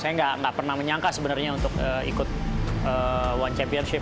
saya nggak pernah menyangka sebenarnya untuk ikut one championship